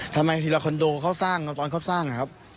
ทำไมทีละคอนโดเขาสร้างตอนเขาสร้างนะครับ